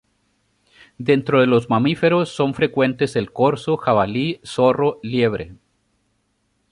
Dentro de los mamíferos son frecuentes el corzo, jabalí, zorro, liebre.